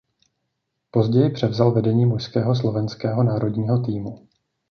Později převzal vedení mužského slovenského národního týmu.